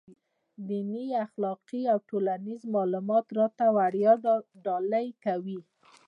دیني، اخلاقي او ټولنیز معلومات راته وړيا ډالۍ کوي.